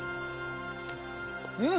うん。